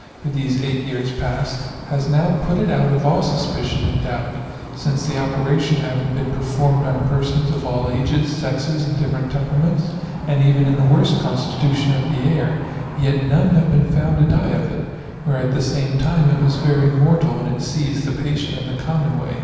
8^ these 8 years past, has now put it out of all suspicion and doubt; since the operation having been performed on persons of all ages, sexes, and different temperaments, and even in the worst constitution of the air, yet none have been found to die of it ; where at the same time it was very mortal when it seized the patient the common way.